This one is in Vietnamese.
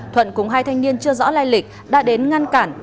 thuận cùng hai thanh niên chưa rõ lai lịch đã đến ngăn cản